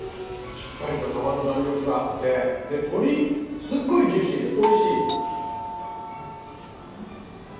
しっかりと皮の弾力があってで鶏すっごいジューシーでおいしい。